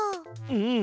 うん。